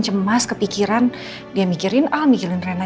cemas kepikiran dia mikirin almih keren